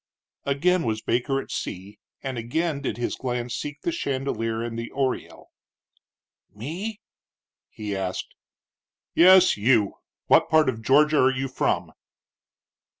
Again was Baker at sea, and again did his glance seek the chandelier and the oriel. "Me?" he asked. "Yes, you. What part of Georgia are you from?"